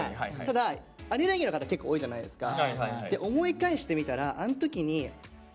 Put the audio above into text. ただアレルギーの方結構多いじゃないですか。